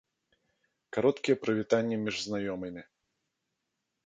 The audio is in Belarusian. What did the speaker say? Кароткія прывітанні між знаёмымі.